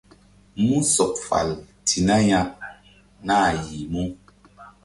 Mú sɔɓ fal ti nah ya nah yih mu.